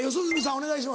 お願いします。